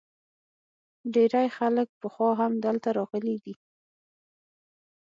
ډیری خلک پخوا هم دلته راغلي دي